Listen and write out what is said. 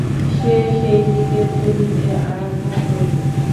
সে সেইদিকে চলিতে আরম্ভ করিল।